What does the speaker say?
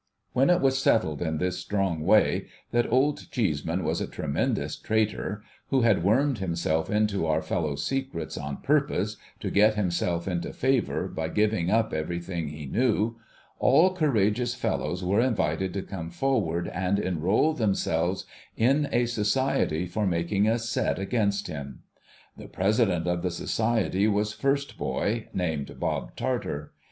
When it was settled in this strong way that Old Cheeseman was a tremendous traitor, who had wormed himself into our fellows' secrets on purpose to get himself into favour by giving up every thing he knew, all courageous fellows were invited to come forward and enrol themselves in a Society for making a set against him. The President of the Society was First boy, named Bob Tarter.